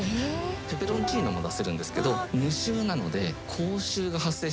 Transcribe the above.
ペペロンチーノも出せるんですけど無臭なので口臭が発生しない。